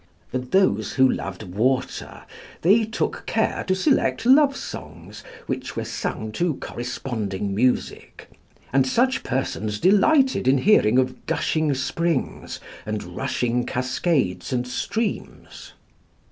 For those who loved water they took care to select love songs, which were sung to corresponding music, and such persons delighted in hearing of gushing springs and rushing cascades and streams.